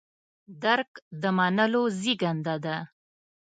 درک د منلو زېږنده ده.